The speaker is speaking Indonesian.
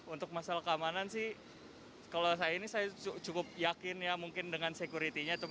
untuk masalah keamanan sih kalau saya ini saya cukup yakin ya mungkin dengan security nya